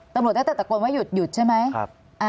ตำรวจได้แต่ตะโกนว่าหยุดใช่ไหม